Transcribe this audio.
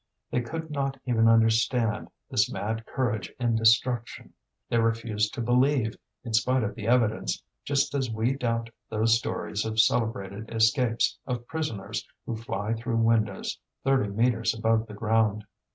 They could not even understand this mad courage in destruction; they refused to believe, in spite of the evidence, just as we doubt those stories of celebrated escapes of prisoners who fly through windows thirty metres above the ground.